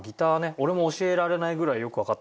俺も教えられないぐらいよくわかってないんで。